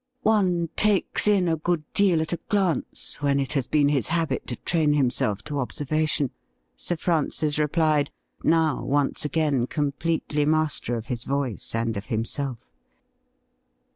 ' One takes in a good deal at a glance, when it has been his habit to train himself to observation,' Sir Francis replied, now once again completely master of his voice and of himself.